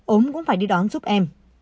ông cũng phải đi đón giúp em